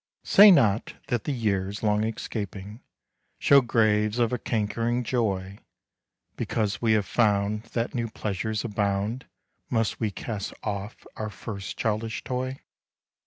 Say not that the years long escaping, Show graves of a cankering joy. Because we have found that new pleasures abound, Must we cast off our first childish toy?